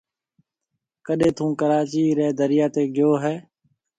ڪڏي ٿُون ڪراچِي ريَ دريا تي گيو هيَ۔